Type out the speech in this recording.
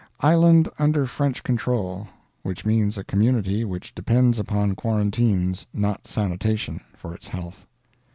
Island under French control which means a community which depends upon quarantines, not sanitation, for its health.